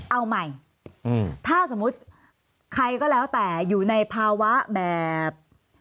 เอาใหม่ถ้าสมมุติใครก็แล้วแต่อยู่ในภาวะแบบ